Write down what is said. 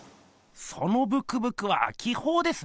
そのブクブクは気ほうですね。